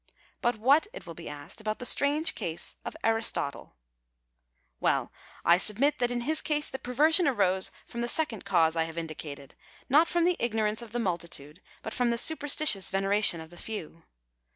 But what, it will be asked, about the strange case of Aristotle ? Well, I submit that in his case the perversion arose from the second cause I have indicated — not from the ignorance of the multitude but from the supersti tious veneration of the few.